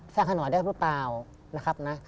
สร้างขนวัลได้หรือเปล่านะครับนะ